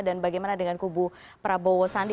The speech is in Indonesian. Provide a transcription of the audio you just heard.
dan bagaimana dengan kubu prabowo sandi